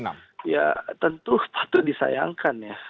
ya tentu disayangkan ya